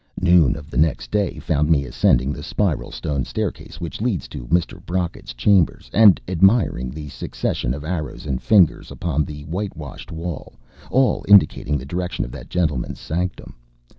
Noon of the next day found me ascending the spiral stone staircase which leads to Mr. Brocket's chambers, and admiring the succession of arrows and fingers upon the whitewashed wall, all indicating the direction of that gentleman's sanctum.